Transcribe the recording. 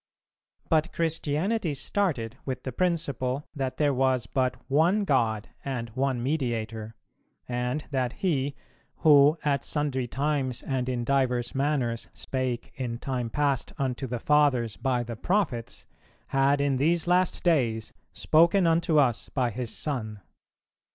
But Christianity started with the principle that there was but "one God and one Mediator," and that He, "who at sundry times and in divers manners spake in time past unto the fathers by the Prophets, had in these last days spoken unto us by His Son."